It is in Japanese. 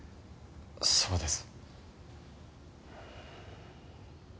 そうです。